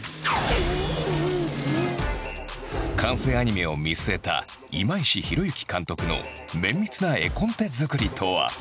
完成アニメを見据えた今石洋之監督の綿密な絵コンテづくりとは。